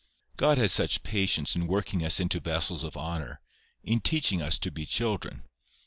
God has such patience in working us into vessels of honour! in teaching us to be children!